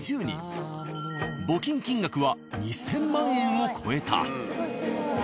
募金金額は２０００万円を超えた。